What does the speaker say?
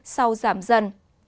sau giảm dần